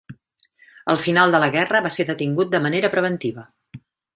Al final de la guerra va ser detingut de manera preventiva.